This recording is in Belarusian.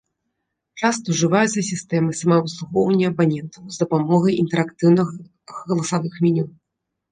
Часта ўжываюцца сістэмы самаабслугоўвання абанентаў з дапамогай інтэрактыўных галасавых меню.